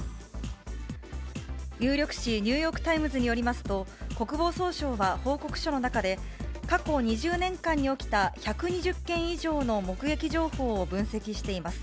有力紙、ニューヨーク・タイムズによりますと、国防総省は報告書の中で、過去２０年間に起きた１２０件以上の目撃情報を分析しています。